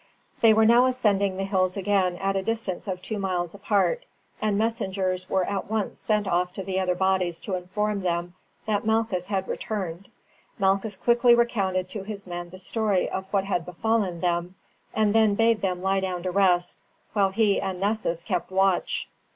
They were now ascending the hills again at a distance of two miles apart, and messengers were at once sent off to the other bodies to inform them that Malchus had returned. Malchus quickly recounted to his men the story of what had befallen them, and then bade them lie down to rest while he and Nessus kept watch.